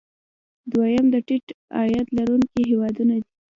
دوهم د ټیټ عاید لرونکي هیوادونه دي.